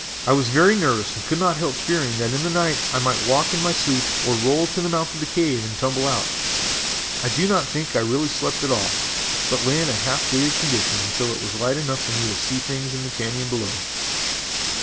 I was very nervous and could not help fearing that in the night I might walk in my sleep or roll to the mouth of the cave and tumble out. I do not think I really slept at all, but lay in a half dazed condition until it was light enough for me to see things in the cañon below.